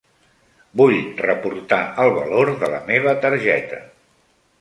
Vull reportar el valor de la meva targeta.